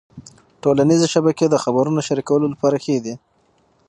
ټولنيزې شبکې د خبرونو شریکولو لپاره ښې دي.